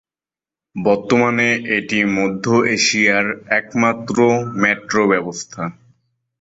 বর্তমানে এটি মধ্য এশিয়ার একমাত্র মেট্রো ব্যবস্থা।